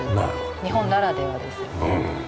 日本ならではですよね。